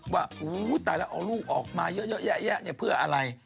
ว่าอู้ตายแล้วเอาลูกออกมาเยอะพรืออะไร